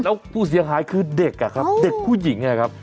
แล้วผู้เสียหายคือเด็กอะครับเด็กผู้หญิงนะครับ